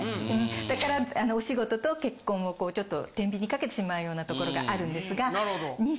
だからお仕事と結婚をちょっと天秤にかけてしまうようなところがあるんですが。